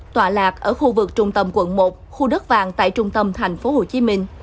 tọa lạc ở khu vực trung tâm quận một khu đất vàng tại trung tâm thành phố hồ chí minh